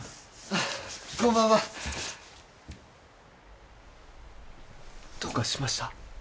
こんばんはどうかしました？